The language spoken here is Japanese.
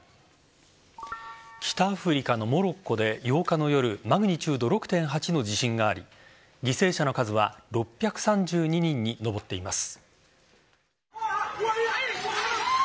北アフリカのモロッコで８日の夜マグニチュード６．８の地震があり犠牲者の数は６３２人に上っています。